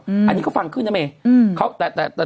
อืมอันนี้เขาฟังขึ้นนะเมอืม